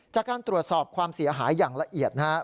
จากการตรวจสอบความเสียหายอย่างละเอียดนะครับ